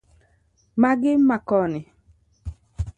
Magi ma koni